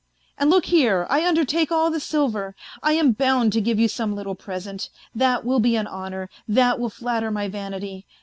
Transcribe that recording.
And look here, I undertake all the silver. I am bound to give you some little present, that will be an honour, that will flatter my vanity.